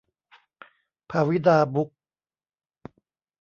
ภาวิดา บุ๊ค